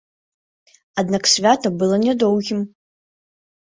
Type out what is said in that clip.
Аднак свята было нядоўгім.